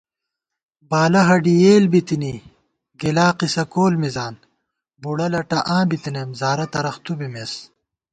بالہ ہَڈِی یېل بِتِنی، گلا قصہ کول مِزان * بُڑہ لٹہ آں بِتنئیم، زارہ ترخ تُو بِمېس